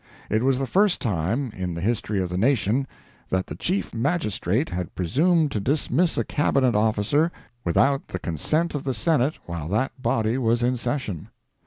It was the first time, in the history of the nation, that the Chief Magistrate had presumed to dismiss a Cabinet officer without the consent of the Senate while that body was in season.